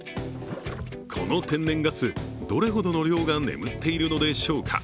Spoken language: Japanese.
この天然ガス、どれほどの量が眠っているのでしょうか。